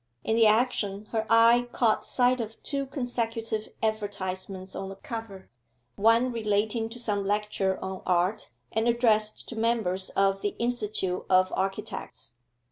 In the action her eye caught sight of two consecutive advertisements on the cover, one relating to some lecture on Art, and addressed to members of the Institute of Architects.